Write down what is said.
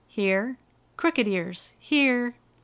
"Here!" "Crooked Ears?" "Here!"